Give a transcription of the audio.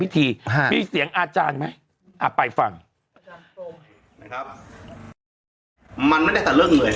พิธีแห้งมีเสียงอาจารย์ไหมอ่าไปฟังอ่าครับมันไม่ได้แต่เรื่องเหนื่อย